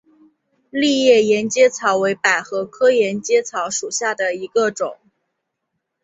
丽叶沿阶草为百合科沿阶草属下的一个种。